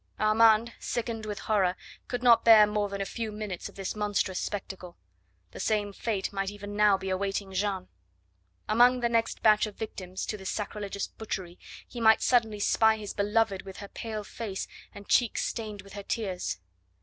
Armand, sickened with horror, could not bear more than a few minutes of this monstrous spectacle. The same fate might even now be awaiting Jeanne. Among the next batch of victims to this sacrilegious butchery he might suddenly spy his beloved with her pale face and cheeks stained with her tears.